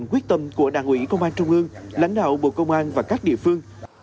quyết tâm của đảng ủy công an trung ương lãnh đạo bộ công an và các địa phương